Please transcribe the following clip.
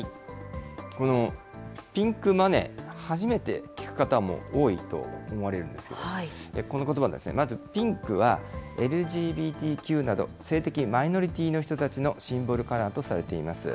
このＰｉｎｋＭｏｎｅｙ、初めて聞く方も多いと思われるんですけれども、このことばですね、まず、ピンクはＬＧＢＴＱなど、性的マイノリティーの人たちのシンボルカラーとされています。